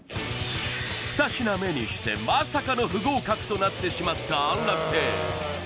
２品目にしてまさかの不合格となってしまった安楽亭